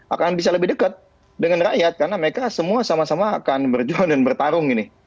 akan bisa lebih dekat dengan rakyat karena mereka semua sama sama akan berjuang dan bertarung ini